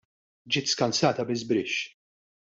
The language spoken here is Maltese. Ġiet skansata bi żbrixx.